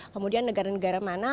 kemudian negara negara mana